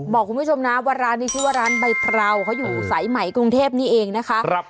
บอกคุณผู้ชมนะว่าร้านนี้ชื่อว่าร้านใบเพราเขาอยู่สายไหมกรุงเทพนี่เองนะคะ